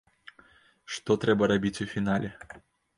Што трэба рабіць у фінале?